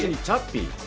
チャッピー？